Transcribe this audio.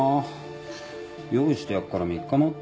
用意してやるから３日待ってよ。